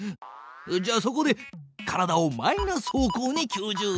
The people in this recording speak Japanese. じゃあそこで体をマイナス方向に９０度回転！